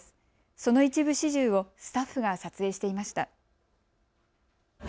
その一部始終をスタッフが撮影していました。